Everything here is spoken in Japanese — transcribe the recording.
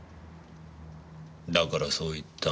だからそう言った。